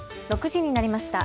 ６時になりました。